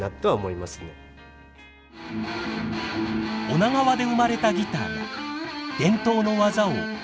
女川で生まれたギターが伝統の技を未来につなぐ。